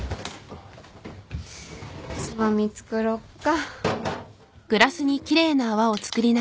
つまみ作ろっか。